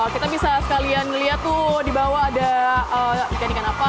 kita bisa sekalian lihat tuh di bawah ada ikan ikan apa